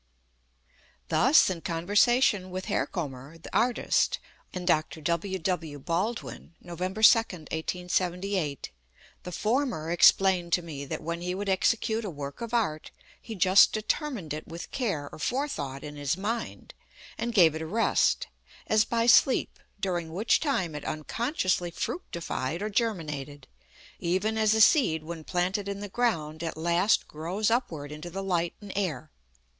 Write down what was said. Thus, in conversation with HERKOMER, the Artist, and Dr. W. W. BALDWIN, Nov. 2d, 1878, the former explained to me that when he would execute a work of art, he just determined it with care or Forethought in his mind, and gave it a rest, as by sleep, during which time it unconsciously fructified or germinated, even as a seed when planted in the ground at last grows upward into the light and air.